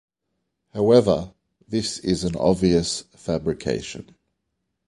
However, this is an obvious fabrication.